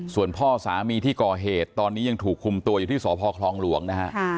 ส่วนพ่อสามีที่ก่อเหตุตอนนี้ยังถูกคุมตัวอยู่ที่สพคลองหลวงนะฮะ